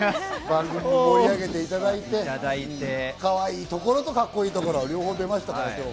番組を盛り上げていただいて、かわいいところとカッコいいところ両方出ました、今日は。